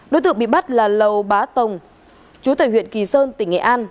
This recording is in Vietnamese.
đối tượng bị bắt là lầu bá tông chú tài huyện kỳ sơn tỉnh nghệ an